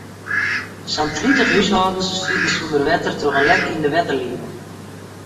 Sa'n tritich húshâldens sieten sûnder wetter troch in lek yn de wetterlieding.